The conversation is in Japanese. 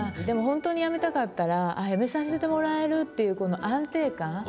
でも本当にやめたかったらやめさせてもらえるっていうこの安定感。